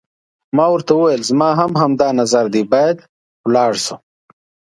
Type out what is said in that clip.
ما ورته وویل: زما هم همدا نظر دی، باید ولاړ شو.